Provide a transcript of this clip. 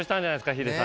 ヒデさん。